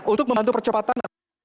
untuk membantu percepatan